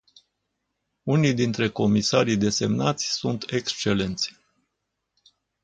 Unii dintre comisarii desemnați sunt excelenți.